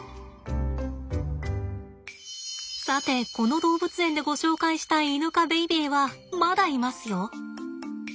さてこの動物園でご紹介したいイヌ科ベイベーはまだいますよ。